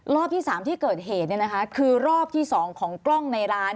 รอบที่๓ที่เกิดเหตุคือรอบที่๒ของกล้องในร้าน